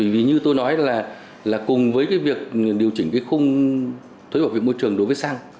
vì như tôi nói là cùng với việc điều chỉnh khung thuế bảo vệ môi trường đối với xăng